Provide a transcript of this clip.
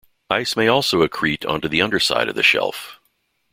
Ice may also accrete onto the underside of the shelf.